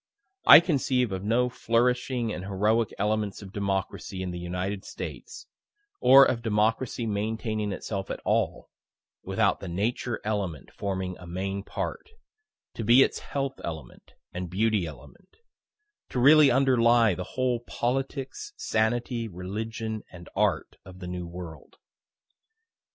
I conceive of no flourishing and heroic elements of Democracy in the United States, or of Democracy maintaining itself at all, without the Nature element forming a main part to be its health element and beauty element to really underlie the whole politics, sanity, religion and art of the New World.